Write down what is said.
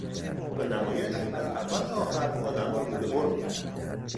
آن نمایش از اول تا آخر آدم را روده بر میکرد.